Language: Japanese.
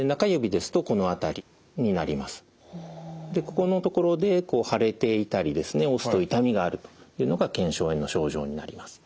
ここのところで腫れていたり押すと痛みがあるというのが腱鞘炎の症状になります。